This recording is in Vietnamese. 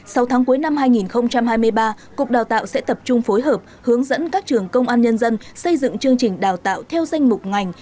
sau tháng cuối năm hai nghìn hai mươi ba cục đào tạo sẽ tập trung phối hợp hướng dẫn các trường công an nhân dân xây dựng chương trình đào tạo theo danh mục ngành